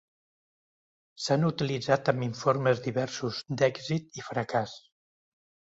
S'han utilitzat amb informes diversos d'èxit i fracàs.